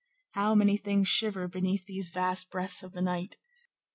How many things shiver beneath these vast breaths of the night!